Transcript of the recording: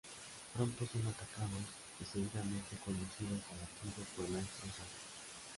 Pronto son atacados y seguidamente conducidos a la tribu por maestros agua.